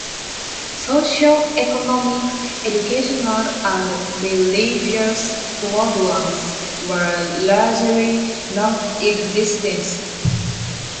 Socio-economic, educational and religious programs were largely non-existent.